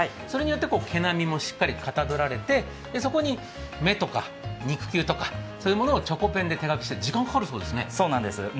それによって毛並みもしっかりかたどられて、そこに目とか肉球とかそういったものをチョコペンで手書きされてそうなんです。